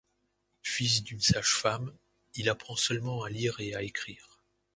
Fils d'une sage-femme, il apprend seulement à lire et à écrire.